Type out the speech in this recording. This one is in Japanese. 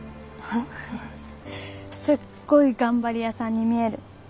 すっごい頑張り屋さんに見える。